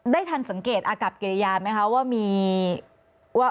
ได้ทันสังเกตอากับเกรียญไหมคะ